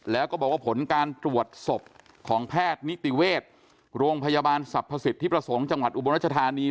แล้วก็บอกว่าผลการตรวจศพของแพทย์นิติเวชโรงพยาบาลสรรพสิทธิประสงค์จังหวัดอุบลรัชธานี